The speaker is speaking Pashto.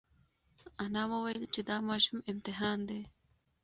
انا وویل چې دا ماشوم امتحان دی.